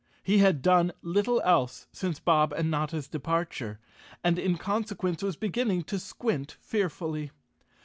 He had done little else since Bob and Notta's departure, and in conse¬ quence was beginning to squint fearfully.